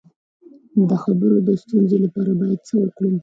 د خبرو د ستونزې لپاره باید څه وکړم؟